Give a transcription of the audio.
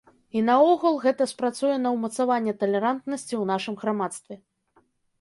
І наогул гэта спрацуе на ўмацаванне талерантнасці ў нашым грамадстве.